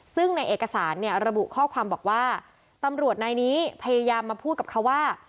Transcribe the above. ซึ่งในเอกสารเนี่ยระบุข้อความบอกว่าตำรวจนายนี้พยายามมาพูดกับเขาว่า